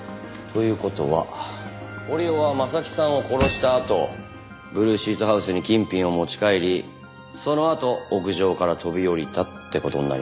という事は堀尾は征木さんを殺したあとブルーシートハウスに金品を持ち帰りそのあと屋上から飛び降りたって事になりますね。